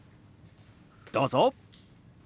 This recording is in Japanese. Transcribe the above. どうぞ！